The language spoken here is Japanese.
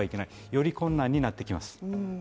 より困難になってきます。